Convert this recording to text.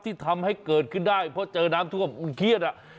ที่ทำให้เกิดขึ้นได้เพราะเจอน้ำท่วมมันเครียดอ่ะ